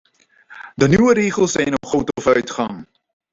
De nieuwe regels zijn een grote vooruitgang.